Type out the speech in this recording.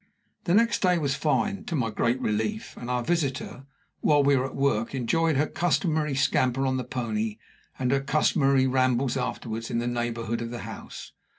The next day was fine, to my great relief; and our visitor, while we were at work, enjoyed her customary scamper on the pony, and her customary rambles afterward in the neighborhood of the house.